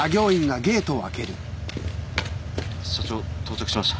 社長到着しました。